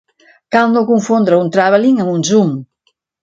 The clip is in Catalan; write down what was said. Cal no confondre un tràveling amb un zoom.